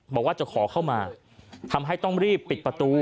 บอกว่าจะขอเข้ามาทำให้ต้องรีบปิดประตู